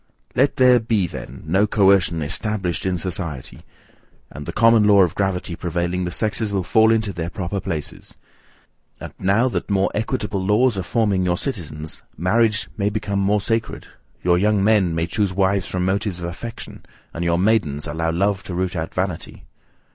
Let there be then no coercion ESTABLISHED in society, and the common law of gravity prevailing, the sexes will fall into their proper places. And, now that more equitable laws are forming your citizens, marriage may become more sacred; your young men may choose wives from motives of affection, and your maidens allow love to root out vanity.